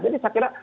jadi saya kira